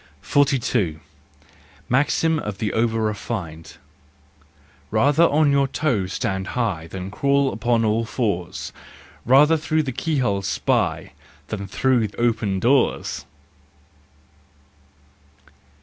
42. Maxim of the Over refined, " Rather on your toes stand high Than crawl upon all fours, Rather through the keyhole spy Than through open doors!